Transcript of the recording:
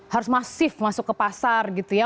harus masif masuk ke pasar gitu ya